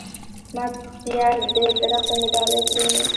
ما پيار دي درخته مي ډالی؛ ترينو